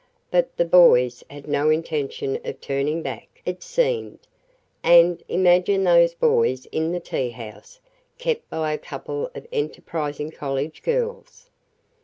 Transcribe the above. But the boys had no intention of turning back, it seemed, and imagine those boys in the tea house, kept by a couple of enterprising college girls!